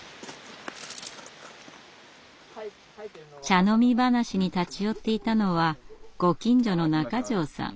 茶飲み話に立ち寄っていたのはご近所の中條さん。